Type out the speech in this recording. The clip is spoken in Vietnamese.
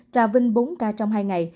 trà vinh bốn ca trong hai ngày